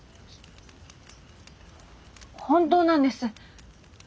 本当なんです。